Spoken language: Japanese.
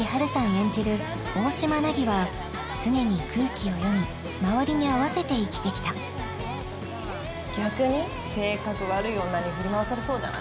演じる大島凪は常に空気を読み周りに合わせて生きてきた逆に性格悪い女に振り回されそうじゃない？